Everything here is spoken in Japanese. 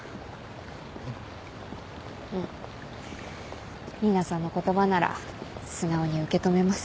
うん新名さんの言葉なら素直に受け止めます。